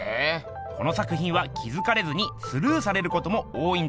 この作ひんは気づかれずにスルーされることも多いんだそうです。